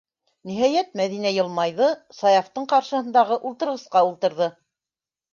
Ниһайәт, Мәҙинә йылмайҙы, Саяфтың ҡаршыһындағы ултырғысҡа ултырҙы: